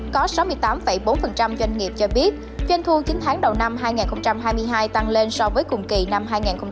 có sáu mươi tám bốn doanh nghiệp cho biết doanh thu chín tháng đầu năm hai nghìn hai mươi hai tăng lên so với cùng kỳ năm hai nghìn hai mươi hai